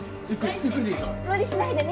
無理しないでね